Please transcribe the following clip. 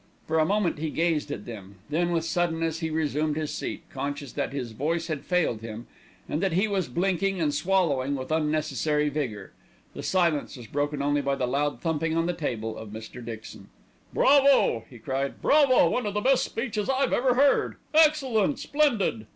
For a moment he gazed at them, then with suddenness he resumed his seat, conscious that his voice had failed him and that he was blinking and swallowing with unnecessary vigour. The silence was broken only by the loud thumping on the table of Mr. Dixon. "Bravo!" he cried. "Bravo! one of the best speeches I've ever heard. Excellent! Splendid!"